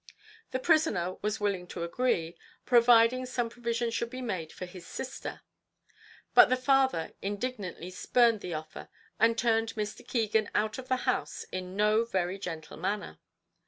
The prisoner was willing to agree, providing some provision should be made for his sister; but the father indignantly spurned the offer, and turned Mr. Keegan out of the house in no very gentle manner.